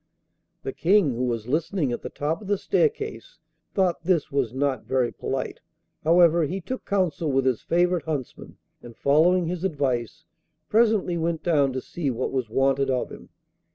The King, who was listening at the top of the staircase, thought this was not very polite; however, he took counsel with his favourite huntsman, and, following his advice, presently went down to see what was wanted of him.